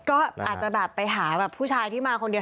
ก็อาจจะไปหาผู้ชายที่มาคนเดียว